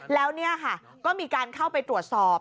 แล้วนี่ค่ะก็มีการเข้าไปตรวจสอบ